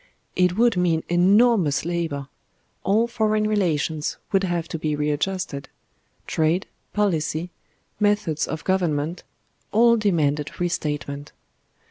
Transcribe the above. It would mean enormous labour; all foreign relations would have to be readjusted trade, policy, methods of government all demanded re statement.